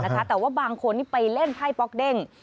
แต่ว่าบางคนนี่ไปเล่นไพ่ป๊อกเด้ง